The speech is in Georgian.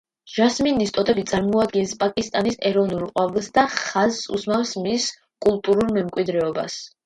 ჟასმინის ტოტები წარმოადგენს პაკისტანის ეროვნულ ყვავილს და ხაზს უსვამს მის კულტურულ მემკვიდრეობას.